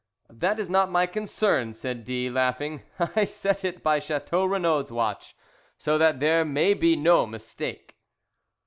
"That is not my concern," said D , laughing. "I set it by Chateau Renaud's watch, so that there may be no mistake."